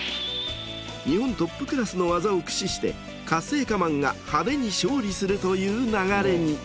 日本トップクラスの技を駆使してカッセイカマンが派手に勝利するという流れに。